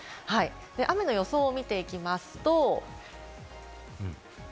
雨の予想を見ていきます。